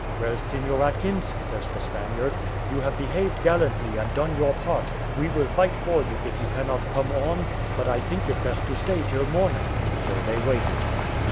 "Well, Seignior Atkins," says the Spaniard, "you have behaved gallantly, and done your part; we will fight for you if you cannot come on; but I think it best to stay till morning:" so they waited.